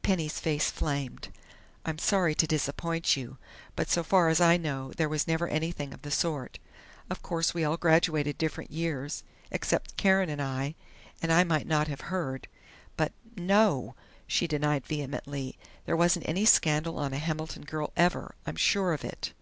Penny's face flamed. "I'm sorry to disappoint you, but so far as I know there was never anything of the sort. Of course we all graduated different years, except Karen and I, and I might not have heard But no!" she denied vehemently. "There wasn't any scandal on a Hamilton girl ever! I'm sure of it!"